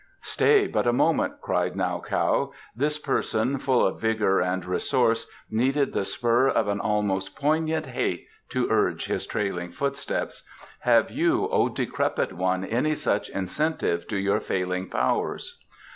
"Stay but a moment," cried Nau Kaou. "This person, full of vigour and resource, needed the spur of a most poignant hate to urge his trailing footsteps. Have you, O decrepit one, any such incentive to your failing powers?"